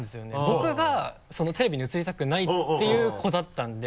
僕がテレビに映りたくないっていう子だったんで。